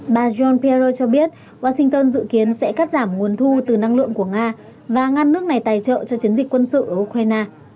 bà john pier cho biết washington dự kiến sẽ cắt giảm nguồn thu từ năng lượng của nga và ngăn nước này tài trợ cho chiến dịch quân sự ở ukraine